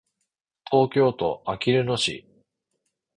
東京都あきる野市